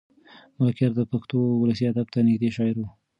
ملکیار د پښتو ولسي ادب ته نږدې شاعر و.